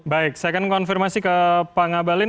baik saya akan konfirmasi ke pak ngabalin